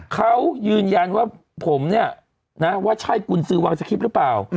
เขายืนยันว่าผมเนี่ยนะว่าใช่กุญสือวางสคริปต์หรือเปล่า